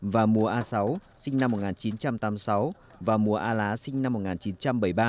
và mùa a sáu sinh năm một nghìn chín trăm tám mươi sáu và mùa a lá sinh năm một nghìn chín trăm bảy mươi ba